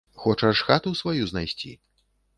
Хочаш хату сваю знайсці?